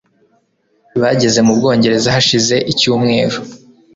Bageze mu Bwongereza hashize icyumweru.